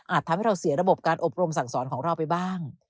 ทำให้เราเสียระบบการอบรมสั่งสอนของเราไปบ้าง